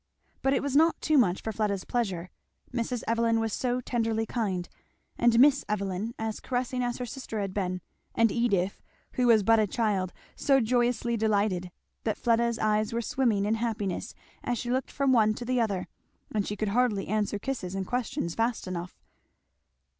But it was not too much for Fleda's pleasure. Mrs. Evelyn was so tenderly kind, and Miss Evelyn as caressing as her sister had been, and Edith, who was but a child, so joyously delighted, that Fleda's eyes were swimming in happiness as she looked from one to the other, and she could hardly answer kisses and questions fast enough.